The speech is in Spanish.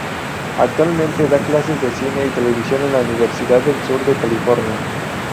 Actualmente da clases de cine y televisión en la Universidad del Sur de California.